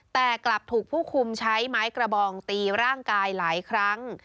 แต่กลับถูกผู้คุมใช้ไม้กระบองตีร่างกายหลายครั้ง